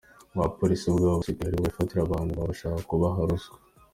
Ubu abapolisi ubwabo basigaye aribo bifatira abantu baba bashaka kubaha ruswa.